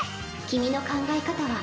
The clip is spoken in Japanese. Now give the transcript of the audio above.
君の考え方は